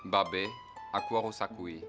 babe aku harus akui